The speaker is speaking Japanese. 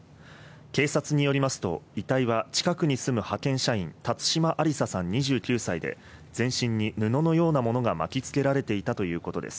警察によりますと、遺体は近くに住む派遣社員・辰島ありささん、２９歳で全身に布のようなものが巻きつけられていたということです。